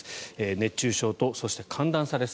熱中症とそして、寒暖差です。